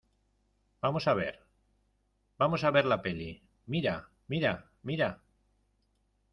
vamos a ver, vamos a ver la peli. mira , mira , mira .